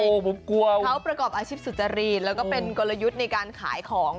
โอ้โหผมกลัวเขาประกอบอาชีพสุจรรีนแล้วก็เป็นกลยุทธ์ในการขายของ